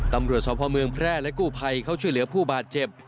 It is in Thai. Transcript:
ตำรวจสพเมืองแพร่และกู้ภัยเขาช่วยเหลือผู้บาดเจ็บ